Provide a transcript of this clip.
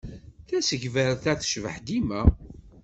Tasegbart-a tecbeḥ dima.